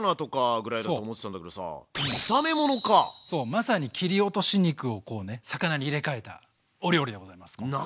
まさに切り落とし肉を魚に入れ替えたお料理でございます今度は。